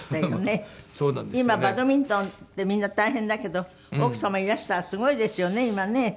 今バドミントンってみんな大変だけど奥様いらしたらすごいですよね今ね。